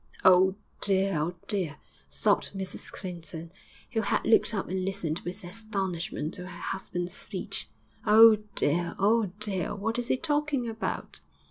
'Oh, dear! oh, dear!' sobbed Mrs Clinton, who had looked up and listened with astonishment to her husband's speech. 'Oh, dear! oh, dear! what is he talking about?'